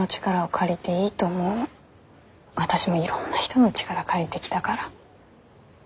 私もいろんな人の力借りてきたから。